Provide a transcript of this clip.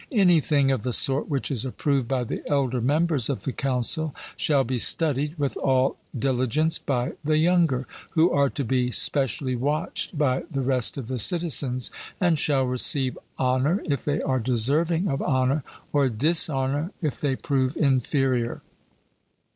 Anything of the sort which is approved by the elder members of the council shall be studied with all diligence by the younger; who are to be specially watched by the rest of the citizens, and shall receive honour, if they are deserving of honour, or dishonour, if they prove inferior.